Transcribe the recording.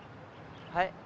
はい。